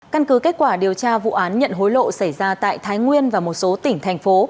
căn cứ kết quả điều tra vụ án nhận hối lộ xảy ra tại thái nguyên và một số tỉnh thành phố